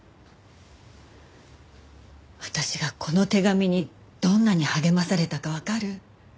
私がこの手紙にどんなに励まされたかわかる？